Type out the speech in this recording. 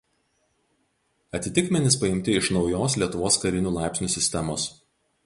Atitikmenys paimti iš naujos Lietuvos karinių laipsnių sistemos.